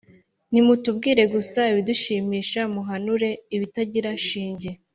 nimutubwire gusa ibidushimisha, muhanure ibitagira shinge.